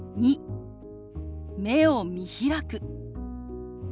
２目を見開く。